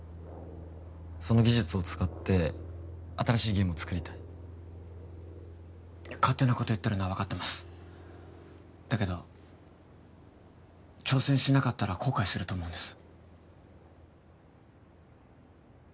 その技術を使って新しいゲームを作りたい勝手なこと言ってるのは分かってますだけど挑戦しなかったら後悔すると思うんです